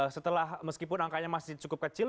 setelah meskipun angkanya masih cukup kecil